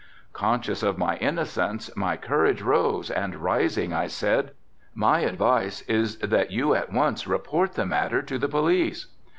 Conscious of my innocence my courage rose and rising I said, "My advice is that you at once report the matter to the police."